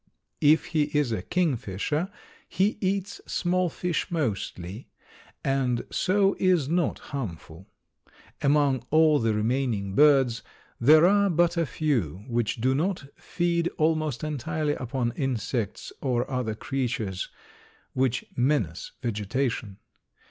If he is a kingfisher he eats small fish mostly, and so is not harmful. Among all the remaining birds there are but a few which do not feed almost entirely upon insects or other creatures which menace vegetation.